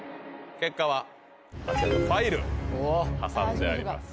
結果はあちらのファイルに挟んであります